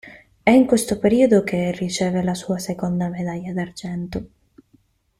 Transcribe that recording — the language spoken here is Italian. È in questo periodo che riceve la sua seconda medaglia d'argento.